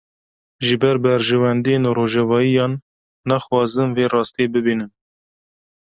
Ji ber berjewendiyên rojavayiyan, naxwazin vê rastiyê bibînin